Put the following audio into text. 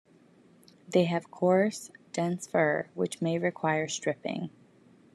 They have coarse, dense fur which may require stripping.